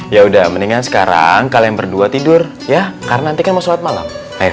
ya udah mendingan sekarang kalian berdua tidur ya karena nanti kan mau sholat malam